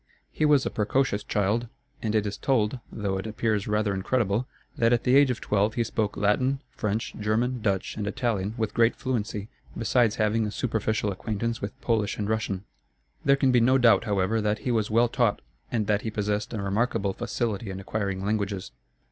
He was a precocious child, and it is told (though it appears rather incredible) that at the age of twelve he spoke Latin, French, German, Dutch, and Italian with great fluency, besides having a superficial acquaintance with Polish and Russian. There can be no doubt, however, that he was well taught, and that he possessed a remarkable facility in acquiring languages.